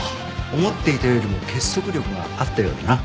思っていたよりも結束力があったようだな。